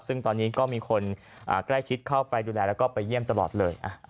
ซึ่งตอนนี้ก็มีคนใกล้ชิดเข้าไปดูแลแล้วก็ไปเยี่ยมตลอดเลย